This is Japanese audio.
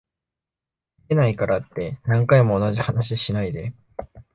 ウケないからって何回も同じ話しないで